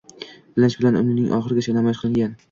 Ilinj bilan umrining oxirigacha namoyish qilingan